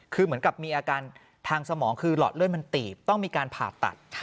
คือเหมือนกับมีอาการทางสมองคือหลอดเลือดมันตีบต้องมีการผ่าตัด